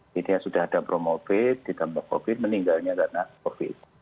jadi yang sudah ada promovid ditambah covid meninggalnya karena covid